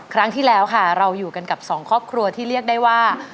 ครั้งที่แล้วค่ะเราอยู่กันกับสองครอบครัวที่เรียกได้ว่า